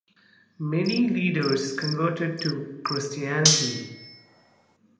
Many leaders converted to Christianity.